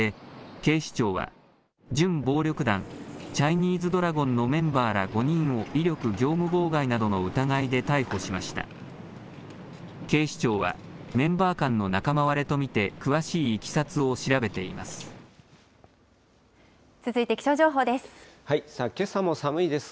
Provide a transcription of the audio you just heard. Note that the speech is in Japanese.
警視庁はメンバー間の仲間割れと見て詳しいいきさつを調べていま続いて気象情報です。